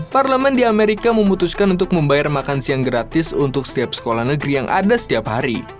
parlemen di amerika memutuskan untuk membayar makan siang gratis untuk setiap sekolah negeri yang ada setiap hari